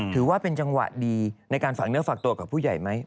ถือว่าเป็นจังหวะดีในการฝากเนื้อฝากตัวกับผู้ใหญ่ไหม